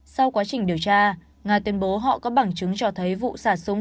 sau quá trình điều tra nga tuyên bố họ có bằng chứng cho thấy vụ xả súng